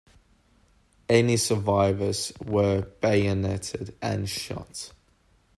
Any survivors were bayoneted and shot.